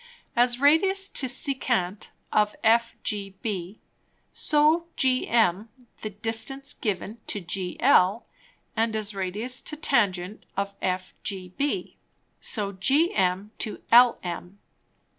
_ As Radius to Secant of FGB, so GM the Distance given to GL; and as Radius to Tangent of FGB, so GM to LM.